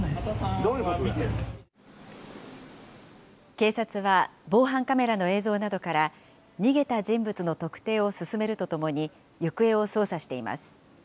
警察は、防犯カメラの映像などから、逃げた人物の特定を進めるとともに、行方を捜査しています。